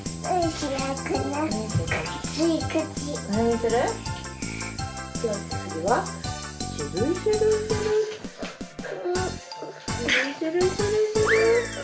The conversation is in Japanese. しゅるしゅるしゅるしゅる。